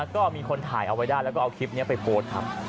ก็มีคนถ่ายเอาไว้ที่ออกมาเค้าเอาคลิปนี้ไปโกรธ